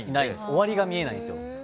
終わりが見えないんですよ。